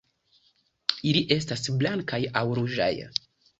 Ili estas blankaj aŭ ruĝaj.